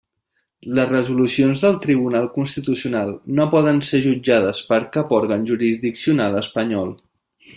Les resolucions del Tribunal Constitucional no poden ser jutjades per cap òrgan jurisdiccional espanyol.